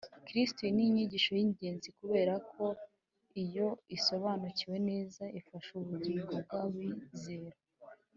Kristo. Iyi ni inyigisho y'ingenzi kuberako, iyo isobanuwe neza, ifasha ubugingo bw'abizera